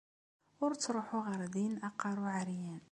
Ur ttruḥu ɣer din aqerru ɛeryan.